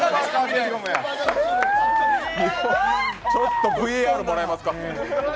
ちょっと、ＶＡＲもらえますか。